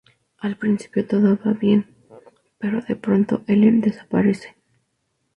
Al principio todo va bien, pero de pronto Ellen desaparece.